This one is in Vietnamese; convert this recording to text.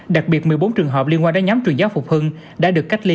đặc biệt một mươi bốn trường hợp liên quan đến nhóm trường giáo phục hưng đã được cách ly